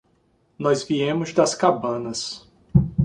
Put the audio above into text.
Nós viemos das cabanas.